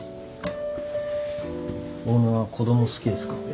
オーナーは子供好きですか？